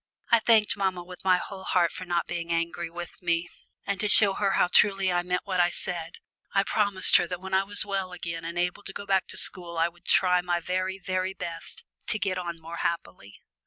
I thanked mamma with my whole heart for not being angry with me, and to show her how truly I meant what I said, I promised her that when I was well again and able to go back to school I would try my very, very best to get on more happily.